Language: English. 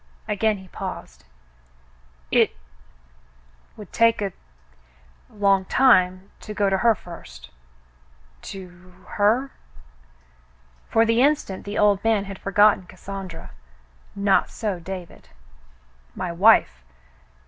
Again he paused. "It — would take a — long time to go to her first ?" "To — her.'^" For the instant the old man had for gotten Cassandra. Not so David. "My wife.